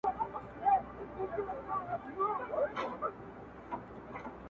په وطن کي دېته ورته عمل چي